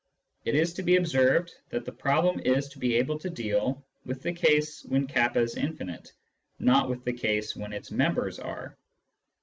It is to be observed that the problem is to be able to deal with the case when k is infinite, not with the case when its members are.